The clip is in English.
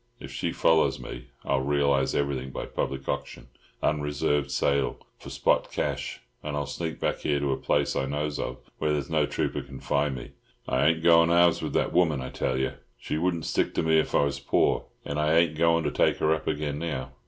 If she follows me, I'll realise everything by public auction, unreserved sale, for spot cash, and I'll sneak back here to a place I knows of, where there's no trooper can find me. I ain't goin' halves with that woman, I tell you. She wouldn't stick to me if I was poor, and I ain't goin' to take her up again now.